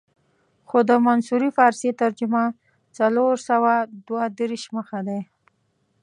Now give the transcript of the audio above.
خو د منصوري فارسي ترجمه څلور سوه دوه دېرش مخه ده.